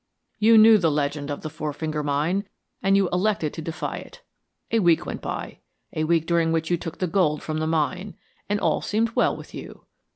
You knew the legend of the Four Finger Mine, and you elected to defy it. A week went by, a week during which you took the gold from the mine, and all seemed well with you.